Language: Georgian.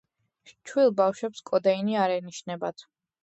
ჩვილ ბავშვებს კოდეინი არ ენიშნებათ.